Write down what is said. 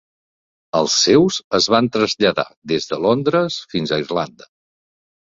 Els seus es van traslladar des de Londres fins a Irlanda.